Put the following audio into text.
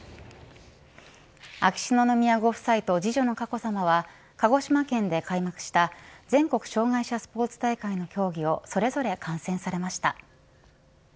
秋篠宮ご夫妻と次女の佳子さまは鹿児島県で開幕した全国障害者スポーツ大会の競技をそれぞれ観戦されました。